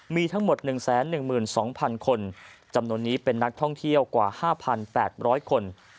มีทั้งหมด๑๑๒๐๐๐คนจำนวนนี้เป็นนักท่องเที่ยวกว่า๕๘๐๐คน